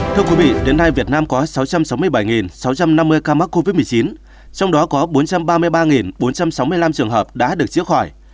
thưa quý vị đến nay việt nam có sáu trăm sáu mươi bảy sáu trăm năm mươi ca mắc covid một mươi chín trong đó có bốn trăm ba mươi ba bốn trăm sáu mươi năm trường hợp đã được chữa khỏi